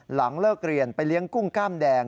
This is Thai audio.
หลังเลิกเรียนไปเลี้ยงกุ้งกล้ามแดง